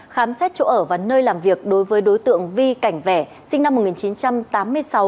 khám xét chỗ ở và nơi làm việc đối với đối tượng vi cảnh vẽ sinh năm một nghìn chín trăm tám mươi sáu